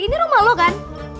ini rumah lo kan